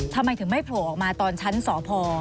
ทำไมถึงไม่โผล่ออกมาตอนชั้นสพ